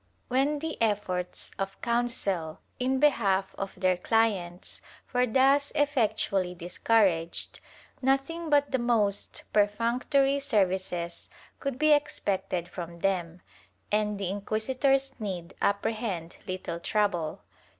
^ When the efforts of counsel in behalf of their clients were thus effectually discouraged, nothing but the most perfunctory services could be expected from them, and the inquisitors need apprehend little trouble.